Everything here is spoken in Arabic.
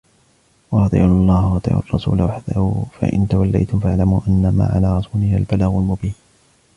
وأطيعوا الله وأطيعوا الرسول واحذروا فإن توليتم فاعلموا أنما على رسولنا البلاغ المبين